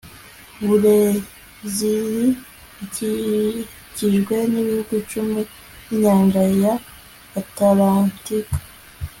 burezili ikikijwe n'ibihugu icumi n'inyanja ya atalantika